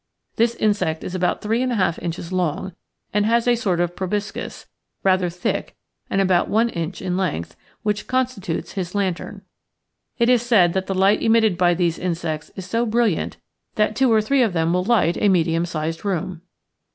This insect is about three and a half inches long, and has a sort of proboscis — rather thick — and about one inch in length, which constitutes his lantern. It is said that the light emitted by these insects is so brilliant that two or three of them will light a medium sized room.